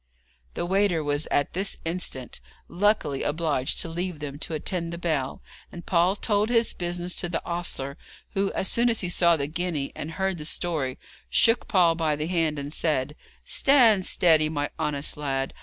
The waiter was at this instant luckily obliged to leave them to attend the bell, and Paul told his business to the ostler, who as soon as he saw the guinea and heard the story shook Paul by the hand, and said: 'Stand steady, my honest lad.